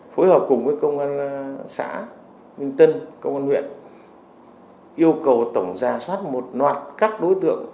phối hợp cùng với công an xã minh tân công an huyện yêu cầu tổng giả soát một loạt các đối tượng